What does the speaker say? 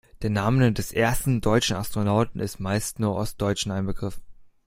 Der Name des ersten deutschen Astronauten ist meist nur Ostdeutschen ein Begriff.